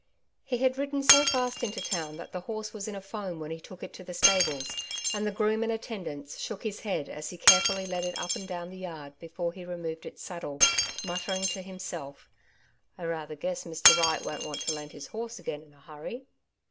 He had ridden so fast into town that the horse was in a foam when he took it to the stables, and the groom in attendance shook his head as he care fully led it up and down the yard before he re moved its saddle, muttering to himself, —'• I rather guess Mr. Wright won^t want to lend his horse again in a hurry."